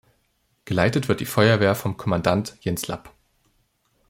Geleitet wird die Feuerwehr vom Kommandant Jens Lapp.